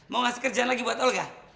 mau kasih kerjaan lagi buat olga